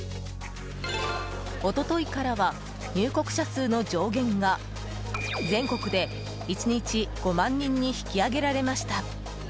一昨日からは入国者数の上限が全国で１日５万人に引き上げられました。